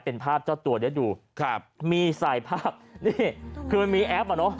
เป็นภาพเจ้าตัวเนี่ยดูมีสายภาพนี่คือมีแอปอ่ะเนี่ย